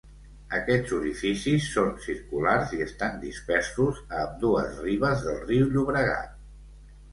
Aquests orificis són circulars i estan dispersos a ambdues ribes del riu Llobregat.